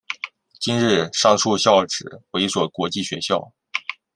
今日上述校扯为一所国际学校。